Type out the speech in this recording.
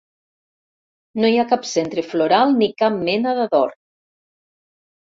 No hi ha cap centre floral ni cap mena d'adorn.